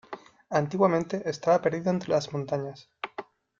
Antiguamente estaba perdido entre montañas.